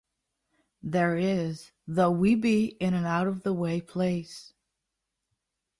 There is; though we be in an out-of-the-way place.